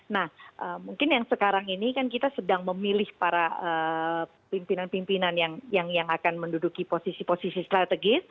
nah mungkin yang sekarang ini kan kita sedang memilih para pimpinan pimpinan yang akan menduduki posisi posisi strategis